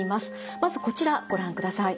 まずこちらご覧ください。